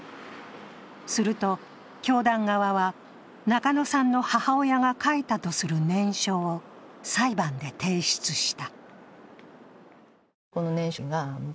すると、教団側は、中野さんの母親が書いたとする念書を裁判で提出した。